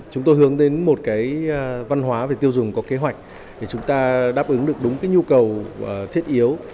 chúng tôi hướng đến một cái văn hóa về tiêu dùng có kế hoạch để chúng ta đáp ứng được đúng cái nhu cầu thiết yếu